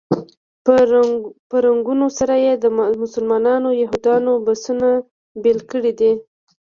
په رنګونو سره یې د مسلمانانو او یهودانو بسونه بېل کړي دي.